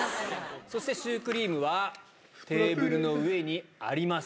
そして、シュークリームはテーブルの上にあります。